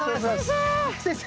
先生。